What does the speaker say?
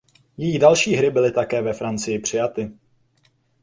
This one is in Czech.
Její další hry byly také ve Francii přijaty.